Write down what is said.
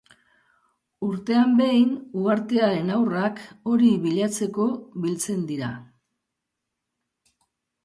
Urtean behin uhartearen haurrak hori bilatzeko biltzen dira.